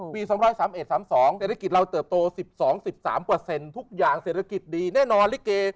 ๒๓๑๓๒เศรษฐกิจเราเติบโต๑๒๑๓ทุกอย่างเศรษฐกิจดีแน่นอนลิเก